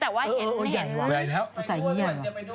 พี่หวานเจี๊ยบแต่ว่าเห็นไหนใส่อย่างนี้หรอ